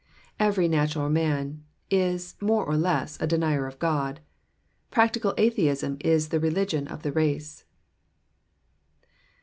Every natural man is, more or less a denier of God. Practical atheism is the religion of the race.